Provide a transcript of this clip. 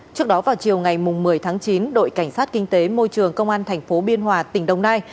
trước đó vào chiều ngày một mươi tháng chín đội cảnh sát kinh tế môi trường công an thành phố biên hòa tỉnh đồng nai